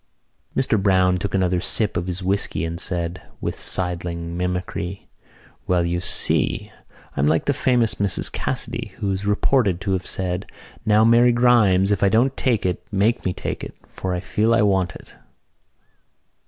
Mr Browne took another sip of his whisky and said, with sidling mimicry: "Well, you see, I'm like the famous Mrs Cassidy, who is reported to have said: 'Now, Mary Grimes, if I don't take it, make me take it, for I feel I want it.